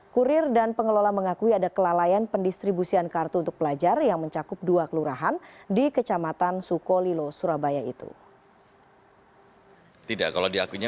kurir dan pengelola mengakui ada kelalaian pendistribusian kartu untuk pelajar yang mencakup dua kelurahan di kecamatan sukolilo surabaya itu